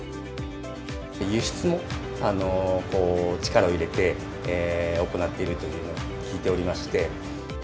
輸出も力を入れて行っているというように聞いておりまして。